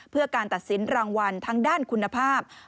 เพื่อการตัดสินรางวัลทั้งด้านคุณภาพ